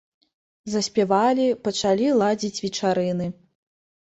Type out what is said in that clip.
Заспявалі, пачалі ладзіць вечарыны.